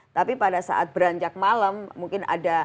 tapi pada saat beranjak malam mungkin ada